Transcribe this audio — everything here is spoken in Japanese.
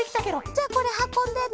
じゃあこれはこんでね。